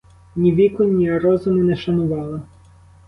Ні віку, ні розуму не шанували.